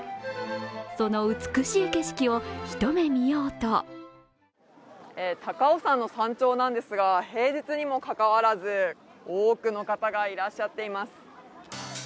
その美しい景色を一目見ようと高尾山の山頂なんですが、平日にもかかわらず、多くの方がいらっしゃっています。